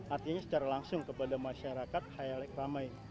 artinya secara langsung kepada masyarakat highlight ramai